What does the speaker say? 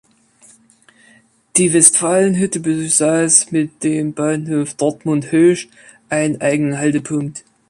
Die Westfalenhütte besaß mit dem Bahnhof Dortmund-Hoesch einen eigenen Haltepunkt.